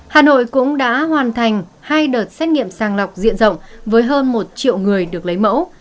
hà nội cũng đã hoàn thành hai đợt xét nghiệm sàng lọc diện rộng với hơn một triệu người được lấy mẫu